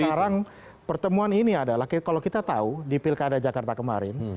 sekarang pertemuan ini adalah kalau kita tahu di pilkada jakarta kemarin